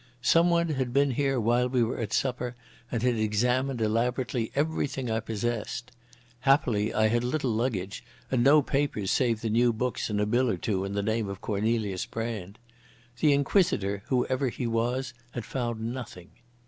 Someone had been here while we were at supper, and had examined elaborately everything I possessed. Happily I had little luggage, and no papers save the new books and a bill or two in the name of Cornelius Brand. The inquisitor, whoever he was, had found nothing....